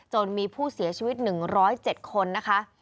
มีผู้เสียชีวิต๑๐๗คนนะคะ